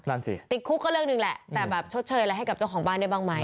นั่นสิติดคุกก็เรื่องหนึ่งแหละแต่แบบชดเชยอะไรให้กับเจ้าของบ้านได้บ้างไหม